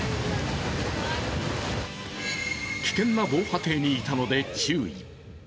危険な防波堤にいたので注意。